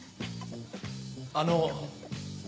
あの。